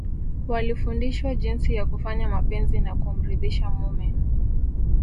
Walifundishwa jinsi ya kufanya mapenzi na kumridhisha mume